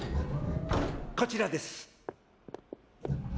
こちらです。